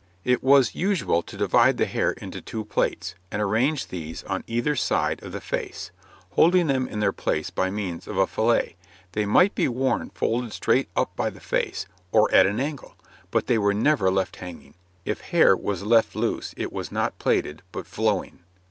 It was usual to divide the hair into two plaits, and arrange these on either side of the face, holding them in their place by means of a fillet; they might be worn folded straight up by the face, or at an angle, but they were never left hanging; if hair was left loose it was not plaited, but flowing.